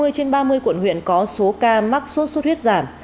hai mươi trên ba mươi quận huyện có số ca mắc sốt sốt huyết giảm